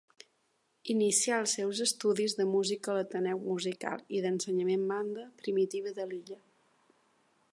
Inicià els seus estudis de música a l'Ateneu musical i d'ensenyament Banda Primitiva de Llíria.